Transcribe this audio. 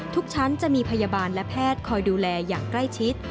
ทุกชั้นจะมีพยาบาลและแพทย์คอยดูแลอย่างใกล้ชิด